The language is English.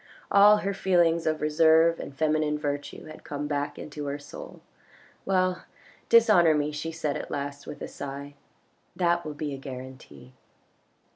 All her feelings of reserve and feminine virtue had come back into her soul. " Well, dishonour me," she said at last with a sigh, " that will be a guarantee."